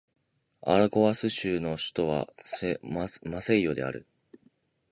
アラゴアス州の州都はマセイオである